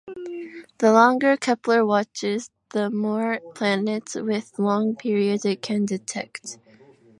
The longer "Kepler" watches, the more planets with long periods it can detect.